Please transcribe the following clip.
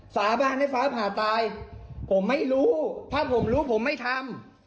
สาบานให้ฟ้าผ่าตายผมไม่รู้ถ้าผมรู้ผมไม่ทำ